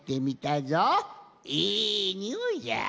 いいにおいじゃ。